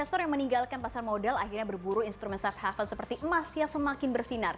investor yang meninggalkan pasar modal akhirnya berburu instrumen subhafal seperti emas yang semakin bersinar